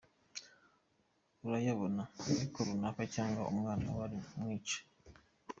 Urayabona ariko kanaka cyangwa umwana we uri kumwica.